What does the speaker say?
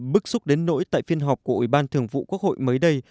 bức xúc đến nỗi tại phiên họp của ủy ban thường vụ quốc hội mới đây